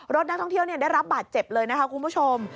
นักท่องเที่ยวได้รับบาดเจ็บเลยนะคะคุณผู้ชม